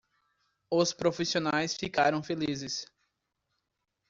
Os profissionais ficaram felizes.